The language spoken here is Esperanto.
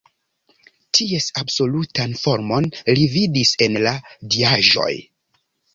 Ties absolutan formon li vidas en la diaĵoj.